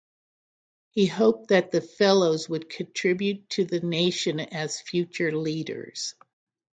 He hoped that the Fellows would contribute to the nation as future leaders.